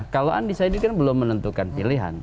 kalau undecided kan belum menentukan pilihan